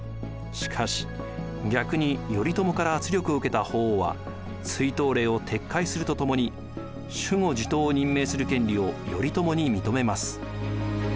しかし逆に頼朝から圧力を受けた法皇は追討令を撤回するとともに守護・地頭を任命する権利を頼朝に認めます。